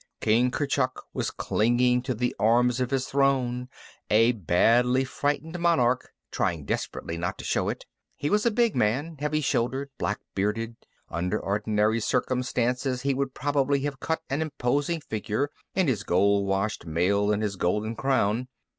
King Kurchuk was clinging to the arms of his throne, a badly frightened monarch trying desperately not to show it. He was a big man, heavy shouldered, black bearded; under ordinary circumstances he would probably have cut an imposing figure, in his gold washed mail and his golden crown.